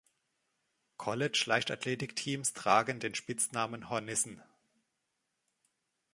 College-Leichtathletikteams tragen den Spitznamen Hornissen.